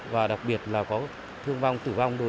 và đặc biệt là có thương vong tử vong